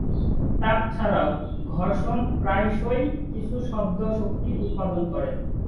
তাপ ছাড়াও, ঘর্ষণ প্রায়শই কিছু শব্দ শক্তি উৎপাদন করে।